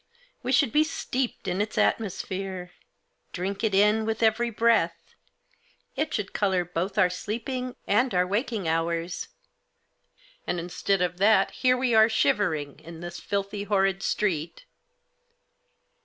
We should be steeped in its atmosphere ; drink it in with every breath. It should colour both our sleeping and our waking hours. And, instead of that, here we are shivering in this filthy horrid street."